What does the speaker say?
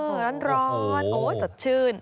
อ๋อร้อนสดชื่น